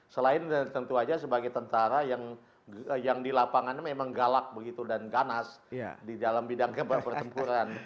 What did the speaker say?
selain tentu saja sebagai tentara yang di lapangan memang galak begitu dan ganas di dalam bidang pertempuran